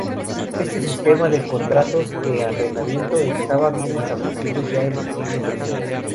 Este sistema de contratos de arrendamiento estaba bien establecidos ya en el siglo tercero.